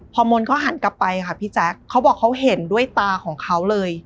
พอมนต์เขาหันกลับไปค่ะพี่แจ๊คเขาบอกเขาเห็นด้วยตาของเขาเลย